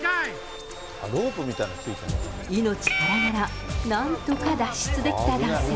命からがら、なんとか脱出できた男性。